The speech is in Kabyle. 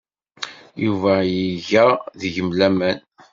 Yuba iga deg-m laman.